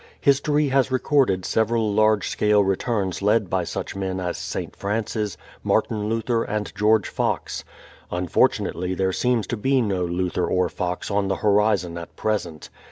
History has recorded several large scale returns led by such men as St. Francis, Martin Luther and George Fox. Unfortunately there seems to be no Luther or Fox on the horizon at present.